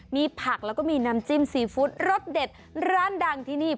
มีผักแล้วก็มีน้ำจิ้มซีฟู้ดรสเด็ดร้านดังที่นี่